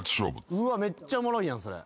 めっちゃおもろいやんそれ。